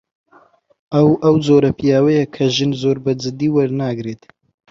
ئەو، ئەو جۆرە پیاوەیە کە ژن زۆر بەجددی وەرناگرێت.